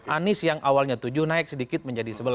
anies yang awalnya tujuh naik sedikit menjadi sebelas